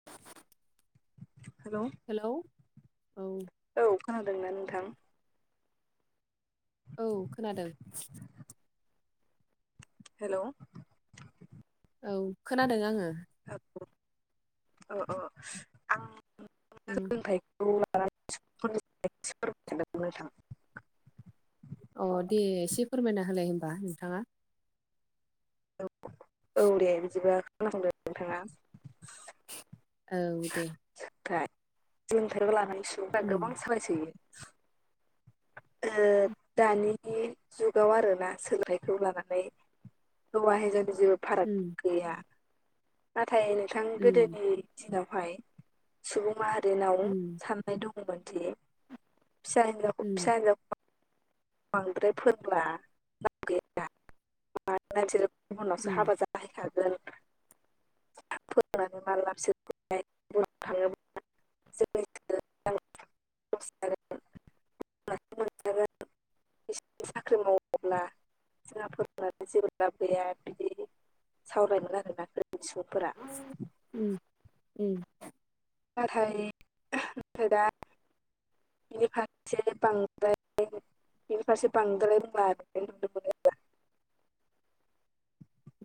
[unintelligible] हेल' hello औ। औ खोनादोंना नोंथां? औ खोनादों। हेल' औ खोनादों आंङो। अ अ आंनि [unintelligible] उम [unintelligible] लानानै अ दे एसे फोरमायना होलाय होनबा नोंथांङा? औ औ दे बिदिबा खालामदो नोंथांङा। औ दे। सोबनाय जुन थारिख आव लानानै सुबुंफ्रा गोबां उम सालायसोयो। ओ दानि जुगाव आरोना सोलथाइखौ लानानै। हौवा हिनजावनि जेबो फाराग उम गैया नाथाय नोंथां उम गोदोनि दिनावहाय सुबुं माहारिनाव उम साननाय दंङमोनदि फिसा हिनजाव उम। [unintelligible] उनावसो उम हाबा जाहैखागोन। फोरोंनानै मा लाबसो बिसोर बुंनो थांङोब्ला [unintelligible] माखौ मोनजागोन साख्रि मावोब्ला [unintelligible] जोंहा फोरोंनानै जेबो लाब गैया बिदि सावरायमोन आरोना फोरोंनि सुबुंफोरा। उम उम। नाथाय ओ दा बेनि फारसे बांद्राय [unintelligible] बिनि फारसे बांद्राय बुंबा [unintelligible]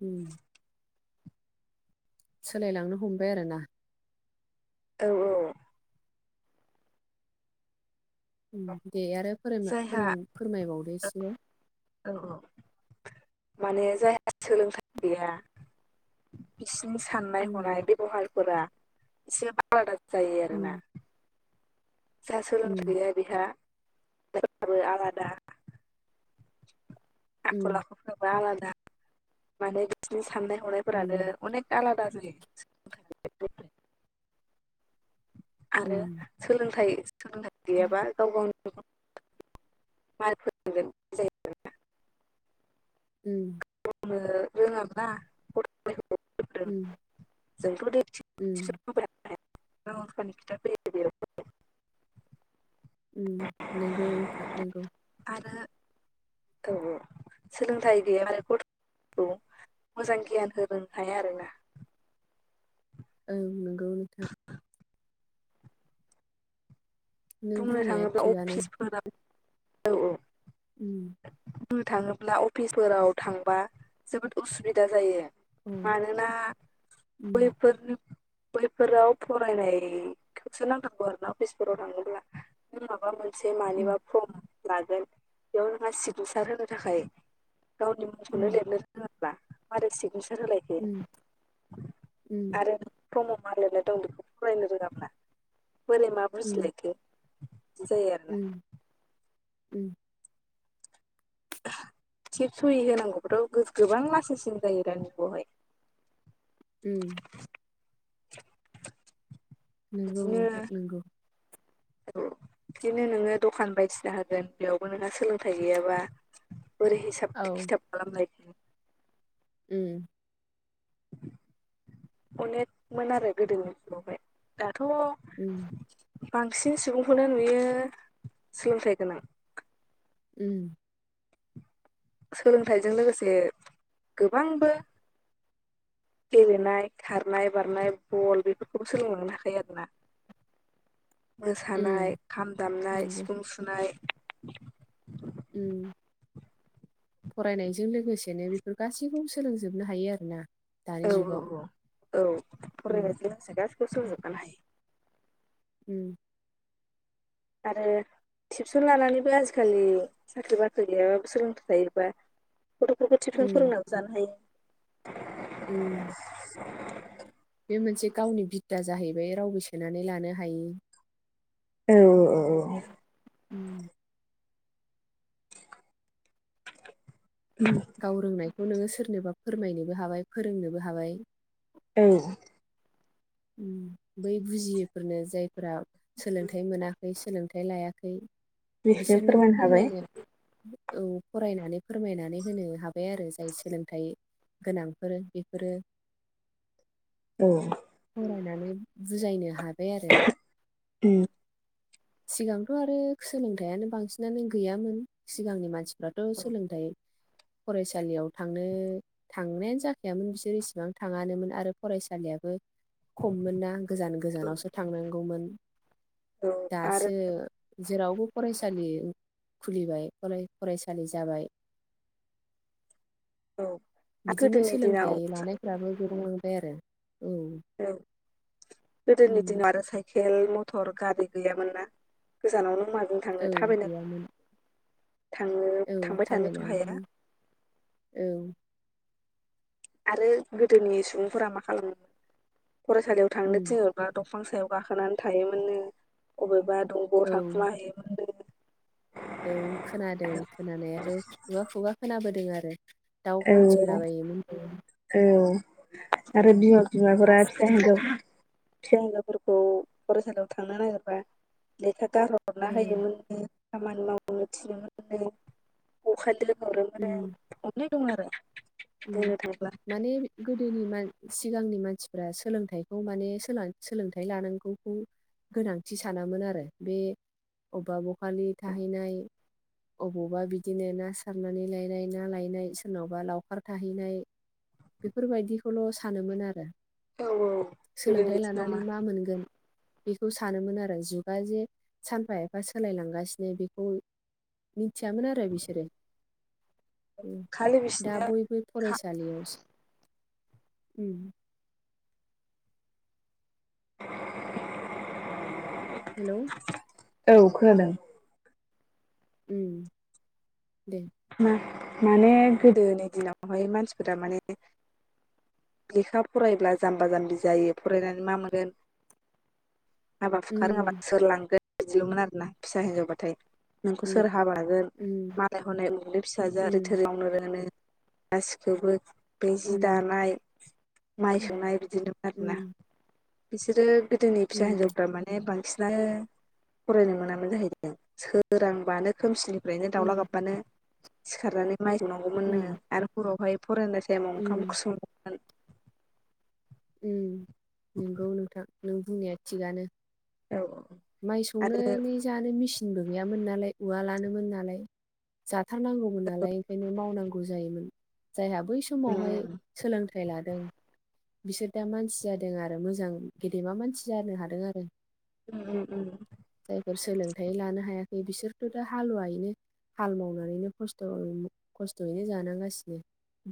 उम सोलायलांनो हमबाय आरो ना। औ औ ‌। दे आरो फोर जायहा फोरों फोरमायबावदो एसे। औ औ माने जायहा सोलोंथाइ गैया बिसिनि साननाय उम हनाय बेबहारफोरा एसे आलादा जायो आरोना। उम उम [unintelligible] बिहा [unintelligible] आलादा आखल उम आखु जेनबा आलादा माने बिसोरनि साननाय हनायफोरानो उम अनेक आलादा जायो [unintelligible] आरो उम सोलोंथ-सोलोंथाइ गैयाबा गाव गावनि [unintelligible] माइ फोरोंगोन जायखौ उम। बुंनो रोङा बा [unintelligible] उम जोंथ' उम [unintelligible] [unintelligible] बे उम नंगौ नोंथां नंगौ। आरो औ औ। सोलोंथाइ गैया आरो गथ मोजां गियान होनो हाया आरो ना। ओं नंगौ नोंथां। [inaudible] नों बुंनो बुंनाया थाङोब्ला थिगानो अफिसफोराव औ औ। उम। बुंनो थाङोब्ला अफिसफोराव थांबा जोबोद उसुबिदा जायो। अ मानोना उम बैफोरनि बैफोराव फरायनायखौसो नांथारगौ आरोना अफिसफोराव थाङोब्ला। नों माबा मोनसे उम मानिबा फर्म लागोन बेयाव नोंहा सिग्नेसार होनो थाखाय गावनि मुंखौनो उम लिरनो रों ङाबा मारै सिगनेसार होलायखो उम उम आरो फर्मआव मा लिरनाय दं बेखौ फरायनो रोङाब्ला बोरै मा उम बुजिलायखो? जायो आर उम उम। थिब सहि होनांगौब्लाथ' गोबां लासिं सिन जायो दानि जुगावहाय। उम। नंगौ बिदिनो नोंथां नंगौ औ। बिदिनो नोङो दखान बायदिसिना होगोन बेयावबो नोंहा सोलोंथाइ गैयाबा बोरै हिसाब औ हिसाब खिथाब खालामलायखो। उम। अनेक मोन आरो गोदोनि समावहाय दाथ' उम। बांसिन सुबुंखौनो नुयो सोलोंथाइ गोनां। उम। सोलोंथाइजों लोगोसे गोबांबो गेलेनाय, खारनाय, बारनाय, बल, बेफोरखौबो सोलोंलांनो हाखायो आरोना ‌। उम मोसानाय खाम दामनाय नंगौ सिफुं सुनाय उम। फरायनायजों लोगोसेनो बेफोर गासैखौबो सोलोंजोबनो हायो आरो ना। औ औ औ औ उम फरायनायजों लोगोसे गासिखौबो सोलोंजोब खानो हायो। उम। आरो टिबसन लानानैबो आजिखालि साख्रि बाख्रि गैयाबाबो सोलोंथाइ थायोबा गथ'फोरखौ थिबसन उम फोरोंनानैबो जानो हायो। उम। बे मोनसे गावनि बिद्दा जाहैबाय रावबो सेनानै लानो हायि। औ औ औ। उम। उम। गाव रोंनायखौ नोङो सोरनोबा फोरमायनोबो हाबाय फोरोंनोबो हाबाय। औ। उम बै बुजियै फोरनो जायफोरा सोलोंथाइ मोनाखै सोलोंथाइ लायाखै बेखौनो बिसोरनोबो हाबाय फोरमायनो औ फरायनानै फोरमायनानै होनो हाबाय आरो जाय सोलोंथाइ गोनांफोर बेफोरो औ फरायनानै बुजायनो हाबाय आरो। उम सिगांथ' आरो सोलोंथाइयानो बांसिनानो गैयामोन सिगांनि मानसि फ्राथ' सोलोंथाइ फरायसालियाव थांनो थांनायानो जाखायामोन बिसोर एसेबां थाङानोमोन आरो फरायसालियाबो खममोन ना गोजान गोजानावसो थांनांगौमोन औ आरो दासो जेरावबो फरायसालि खुलिबाय फराय फरायसालि जाबाय। औ बिदिनो गोदोनि दिनाव सोलोंथाइ औ लानायफ्राबो गोबां लांबाय आरो औ। औ गोदोनि उम दिनाव आरो साय खेल मथर गारि गैयामोन ना गोजानाव नों माजों थांनो औ थाबायना गैयामोन। थांनो औ थांबाय थानोथ' हाया थाबायनानै औ। आरो गोदोनि सुबुंफोरा मा खालामो मोन फरायसालियाव थांनो उम थिन' रबा दंफां सायाव गाखोनानै थायोमोननो अबेबा औ दंग'आव थाखुमा हैैयोमोननो। औ खोनादों खोनानायाथ' खुगा खुगा खोनाबोदों आरो। दाउ गावथिंला औ बायोमोन नो। औ आरो बिमा बिमाफोरा दासो फिसा हिन्जाव फिसा हिजावफोरखौ फरायसालियाव थांनो नागिरबा लेखा गारहो हरना ओ होयोमोन। उम खामानि माव नो थिनो मोन बखालि दोनहरो उम मोननो। अनेक दंमोन आरो। उम थाङोब्ला माने गोदोनि मान सिगांनि मानसिफ्रा सोलोंथाइखौ माने सोलां-सोलोंथाइ लानांगौखौ गोनांथि सानामोन आरो। बे अबेबा बखालि थाहैनाय अबावबा बिदिनो ना सारनानै लायनाय ना लायनाय सोरनावबा लावखार थाहैनाय। बेफोरबायदिखौल' सानोमोन आरो। औ औ गोदोनि सोलोंथाइ दिनाव लानानै मा मोनगोन बेखौ सानोमोन आरो जुगा जे सानफा एफा सोलाय लांगासिनो बेखौ मिथियामोन आरो बिसोरो। उम खालि दा बिसिनो बयबो फरायसालियावसो [inaudible] हेल'! [inaudible] औ खोनादों। उम दे। मा-माने गोदोनि दिनावहाय मानसिफोरा माने लेखा फरायब्ला जाम्बा जाम्बि जायो फरायनानै मा मोनगोन हाबा हुखा रोङाबा उम सोर लांगोन बिदिल'मोन आरोना फिसा हिनजावबाथाय। नोंखौ उम सोर हाबा लागोन उम मालाय हनै उमुगनि फिसाजोआ ओरै उम थोरै मावनो रोङोनो। गासिखौबो बे जि उम दानाय माइ उम सौनाय बिदिनोमोन आरोना। उम बिसोरो गोदोनि फिसा हिनजावफ्रा मान ने बांसिनानो फरायनो मोनामोन जाहैदों। सोरांबानो खोमसिनि फ्रायनो दाउला उम गाबबानो सिखारनानै माइ सौनांगौमोननो उम आरो हरावहाय फरायनाय टाइमआव ओखाम उम ओंख्रि सङोमोन। उम नंगौ नोंथां, नों बुंनाया थिगानो। औ औ। माइ आरो सौनोनानै जानो मेसिनबो गैयामोन नालाय उवा लानोमोन नालाय जाथारनांगौमोन नालाय ओंखायनो मावनांगौ जायोमोन। जायहा बै समावहाय उम सोलोंथाइ लादों बिसोर दा मानसि जादों आरो मोजां गेदेमा मानसि जानो हादों आरो। [unintelligible] जायफोर सोलोंथाइ लानो हायाखै बिसोरथ' दा हालुवायैनो। हाल मावनानैनो खस्थयै खस्थयैनो जानांगासिनो।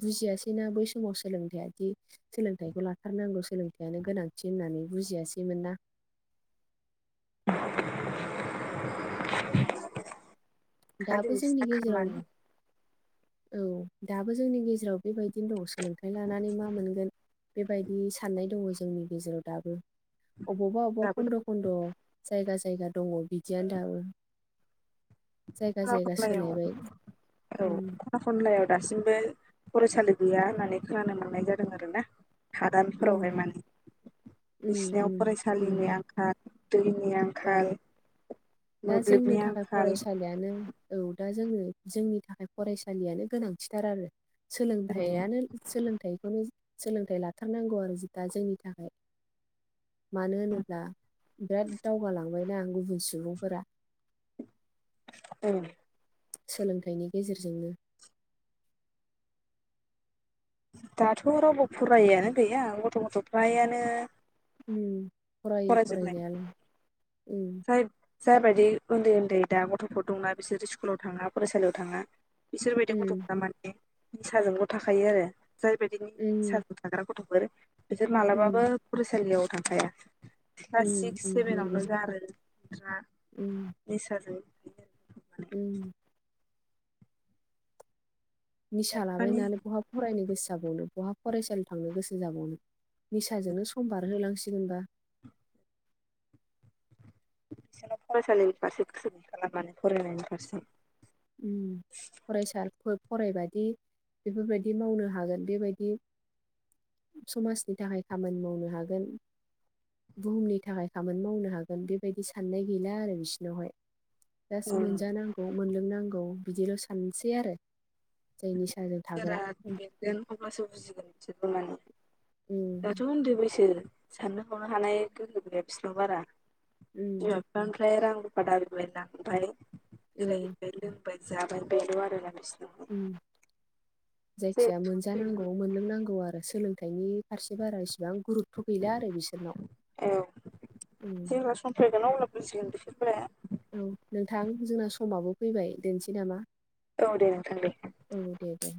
बुजियासैना बै समाव सोलोंथाय आदि। सोलोंथाइखौ लाथारनांगौ सोलोंथाइयानो गोनांथि होननानै बुजियासैमोन ना। [inaudible] खालि दाबो बिसिना जोंनि गेजेराव खामानि औ दाबो जोंनि गेजेराव बे बायदिनो दं सोलोंथाइ लानानै मा मोनगोन। बेबायदि साननाय दङ जोंनि गेजेराव दाबो अबावबा अबावबा दाबो खन्द खन्द जायगा जायगा दङ बिदियानो दाबो। जायगा खना जायगा खनलायाव सोलायबाय औ उम। खना खनलायाव दासिमबो फरायसालि गैया होननानै खोनानो मोननाय जादों आरो ना। हादानफोराव हाय उम माने उम बिसिनायाव उम फरायसालिनि नंगौ आंखाल दैनि आंख औ दा जोंनो थाखाय आंखाल फरायसालियानो। औ दा जोङो जोंनि थाखाय फरायसालियानो गोनांथि थार आरो औ सोलोंथाइयानो। सोलोंथाइखौनो सोलोंथाइ लाथारनांगौ आरो दा जोंनि थाखाय। मानो होनोब्ला बिराद दावगालांबायना गुबुन सुबुंफोरा। उम सोलोंथाइनि गेजेरजोंनो। दाथ रावबो फरायैयानो गैया गथ' गथ' फ्रायानो। उम फरायो फरायनायालाय उम। ओनफाय जाय बायदि उन्दै उन्दै दा ग'थफोर दंना बिसोरो स्कुलाव थाङा फरायसालियाव थाङा। बिसोर बायदि उम ग'थफोरा माने निसाजोंल' थाखायो आरो जाय बायदि उम निसा थाग्रा ग'थफोर बिसोर उम मालाबाबो फरायसालियाव थांखाया। क्लास उम सिक्स उम सेभेनावनो नंगौ गारो उम [unintelligible] निसाजों। थायो आरो माने उम निसा लाबाय माने नालाय बहा फरायनो गोसो जाबावनो बहा फरायसालियाव थांनो गोसो जाबावनो। निसाजोंनो सम बारहोलांसिगोनबा। बिसोरनाव फरायसालिनि फारसे गोसो गैखाला माने फरायनायनि फारसे। उम फरायसाफोर फरायबादि बेफोर बायदि मावनो हागोन बेबायदि। समाजनि थाखाय खामानि मावनो हागोन। बुहुमनि थाखाय खामानि मावनो हागोन बेबायदि साननाय गैला आरो बिसिनाव हाय। जास्ट मोनजानांगौ मोनलोंनांगौ बिदिल सानसै आरो जाय निसाजों जेरा थाग्रा। देरगोन अब्लासो बुजिगोन बिसोरबो माने। उम, दाथ' उन्दै बैसो साननो हनो हानाय गोहो गैया बिसिनाव बारा बिमा बि बांद्राय रां रुफा दाबिबाय ओमफ्राय औ बेरायहैबाय लों जाबाय बेल आरो ना नोंसिनाव। उम जायखि जाया सम फैगोन मोनजानांगौ। मोनलोंनांगौ आरो सोलोंथाइनि फारसे बारा इसेबां गुरु थ गैला आरो बिसोरनाव औ उम जेब्ला सम फैगोनाव अबोला बुजिगोन बिसोरखौवलाय, औ नोंथां जोंना समाबो फैबाय दोननोसै नामा? औ दे नोंथां दे। औ दे दे।